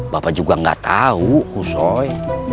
bapak juga enggak tahu kusoy